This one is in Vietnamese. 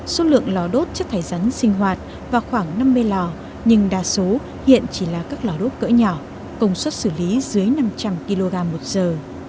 số lượng lò đốt chất thải rắn sinh hoạt vào khoảng năm mươi lò nhưng đa số hiện chỉ là các lò đốt cỡ nhỏ công suất xử lý dưới năm trăm linh kg một giờ